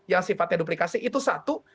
yang sifatnya duplikasi itu satu